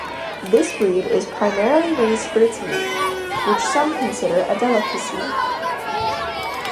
This breed is primarily raised for its meat, which some consider a delicacy.